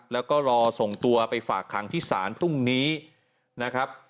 แล้วก็รอส่งตัวไปฝากขังที่ศาลพรุ่งนี้นะครับ